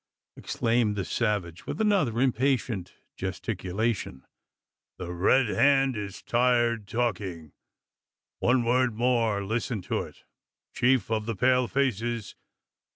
exclaimed the savage, with another impatient gesticulation. "The Red Hand is tired talking. One word more. Listen to it, chief of the pale faces!